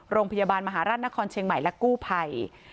โรงพยาบาลมหาราชนครเชียงใหม่และกู้ภัย